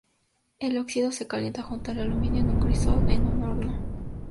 El óxido se calienta junto al aluminio en un crisol o en un horno.